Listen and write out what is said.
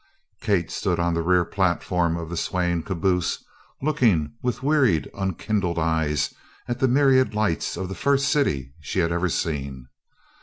Kate stood on the rear platform of the swaying caboose looking with wearied unkindled eyes at the myriad lights of the first city she had ever seen.